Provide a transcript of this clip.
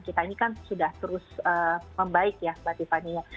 kita ini kan sudah terus membaik ya batifannya